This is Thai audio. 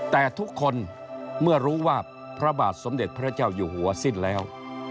แต่ทุกคนเมื่อรู้ว่าพระบาทสมเด็จพระเจ้าอยู่หัวสิ้นแล้ว